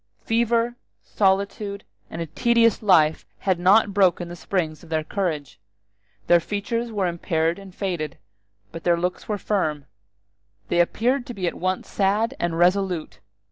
Fever, solitude, and a tedious life had not broken the springs of their courage. Their features were impaired and faded, but their looks were firm: they appeared to be at once sad and resolute.